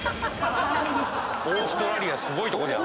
オーストラリアすごいとこにある。